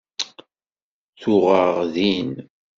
Tuɣ-aɣ din.